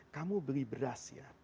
kamu beli beras ya